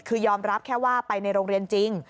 คือยอมรับแค่ว่าไปในโรงเรียนจริง